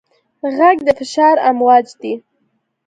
غږ د فشار امواج دي.